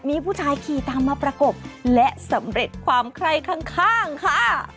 มีผู้ชายขี่ตามมาประกบและสำเร็จความใคร่ข้างค่ะ